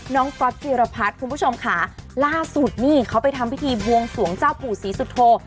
ก๊อตจิรพัฒน์คุณผู้ชมค่ะล่าสุดนี่เขาไปทำพิธีบวงสวงเจ้าปู่ศรีสุโธ